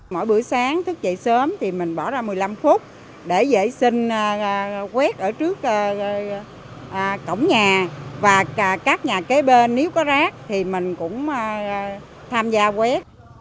mỗi buổi sáng thức dậy sớm thì mình bỏ ra một mươi năm phút để vệ sinh quét ở trước cổng nhà và các nhà kế bên nếu có rác thì mình cũng tham gia quét